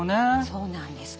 そうなんです。